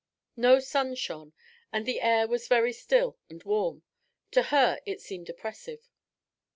No sun shone, and the air was very still and warm; to her it seemed oppressive.